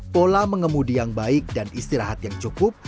pola mengemudi yang baik dan istirahat yang cukup